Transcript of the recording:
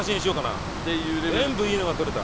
全部いいのが撮れた。